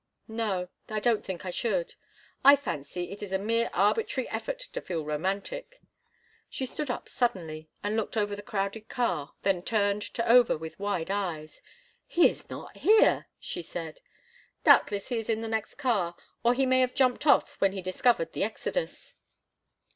"No. I don't think I should." "I fancy it is a mere arbitrary effort to feel romantic." She stood up suddenly and looked over the crowded car, then turned to Over with wide eyes. "He is not here!" she said. "Doubtless he is in the next car, or he may have jumped off when he discovered the exodus."